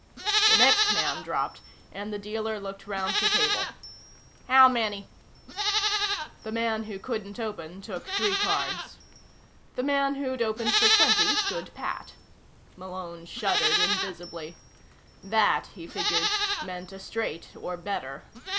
The next man dropped, and the dealer looked round the table. "How many?" The man who couldn't open took three cards. The man who'd opened for twenty stood pat. Malone shuddered invisibly. That, he figured, meant a straight or better.